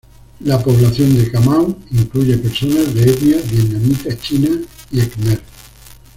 La población de Ca Mau incluye personas de etnia vietnamita, china y khmer.